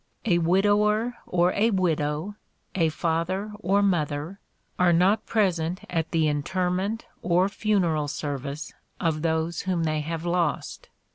A widower or a widow, a father or mother, are not present at the interment, or funeral service of those whom they have lost.